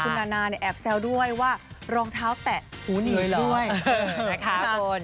คุณนานาเนี่ยแอบแซวด้วยว่ารองเท้าแตะหูหนีด้วยนะคะ